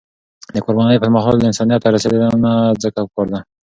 د قربانی پر مهال، انسانیت ته رسیدنه ځکه پکار ده.